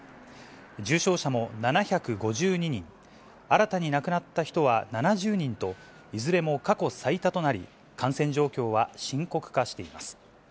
重症者も７５２人、新たに亡くなった人は７０人と、いずれも過去最多となり、感染状況は深刻化しています。